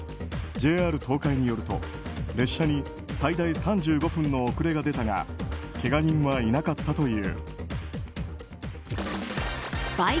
ＪＲ東海によると列車に最大３５分の遅れが出たがけが人はいなかったという。